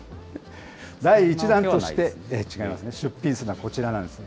第１弾として出品するのはこちらなんですね。